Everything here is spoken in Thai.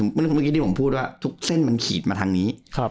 เมื่อกี้ที่ผมพูดว่าทุกเส้นมันขีดมาทางนี้